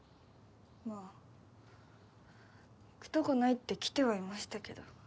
まあ行くとこないって来てはいましたけど。